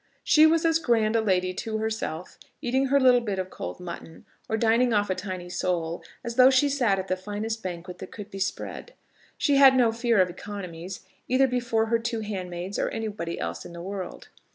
She was as grand a lady to herself, eating her little bit of cold mutton, or dining off a tiny sole, as though she sat at the finest banquet that could be spread. She had no fear of economies, either before her two handmaids or anybody else in the world.